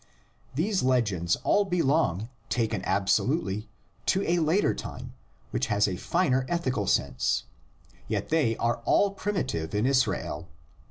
These legends all belong, taken absolutely, to a later time which has a finer ethical sense, yet they are all primitive in Israel.